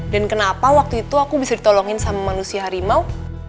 dan kenapa waktu itu aku bisa ditolongin sama manusia harimau